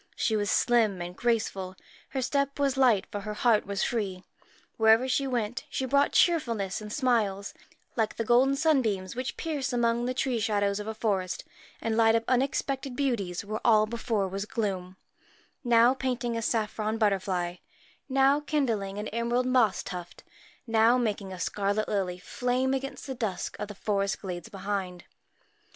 She was slim and graceful; her step was light, for her heart was free. Wherever she went she brought cheerfulness and smiles; like the little golden sunbeams which pierce among the tree shadows of a forest, and light up unex pected beauties where all before was gloom ; now painting a saffron butterfly, now kindling an 67 PRETTY MAR USCHKA PRETTY emerald moss tuft, now making a scarlet lily flame MAR against the dusk of the forest glades behind.